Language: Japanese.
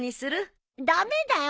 駄目だよ！